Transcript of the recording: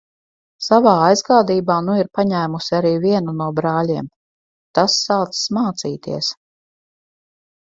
Savā aizgādībā nu ir paņēmusi arī vienu no brāļiem. Tas sācis mācīties.